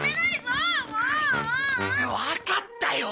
わかったよ